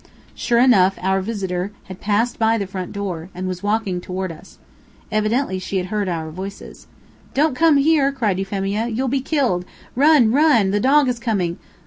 Sure enough, our visitor had passed by the front door, and was walking toward us. Evidently she had heard our voices. "Don't come here!" cried Euphemia. "You'll be killed! Run! run! The dog is coming!